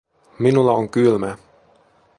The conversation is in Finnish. Minulla on kylmä